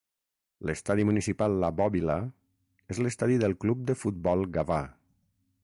L'Estadi Municipal La Bòbila és l'estadi del Club de Futbol Gavà.